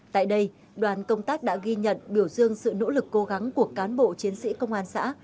tại đây đoàn công tác đã ghi nhận biểu dương sự nỗ lực cố gắng của cán bộ chiến sĩ công an xã